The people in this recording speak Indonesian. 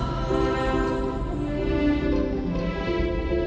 aku merasakan hal yang sama